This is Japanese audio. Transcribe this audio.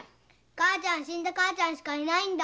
母ちゃんは死んだ母ちゃんしかいないんだ。